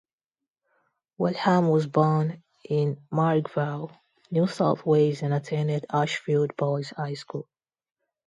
Welham was born in Marrickville, New South Wales and attended Ashfield Boys High School.